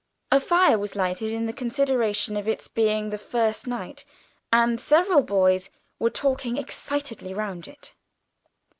A fire was lighted in consideration of its being the first night, and several boys were talking excitedly round it.